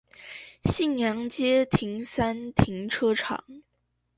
興祥街停三停車場